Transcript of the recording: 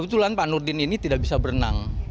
kebetulan pak nurdin ini tidak bisa berenang